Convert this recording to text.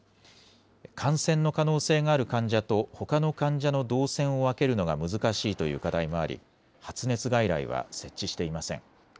感染の可能性がある患者とほかの患者の動線を分けるのが難しいという課題もあり、発熱外来は設置していません。